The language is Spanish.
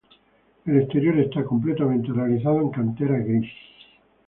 El exterior esta completamente realizado en cantera gris.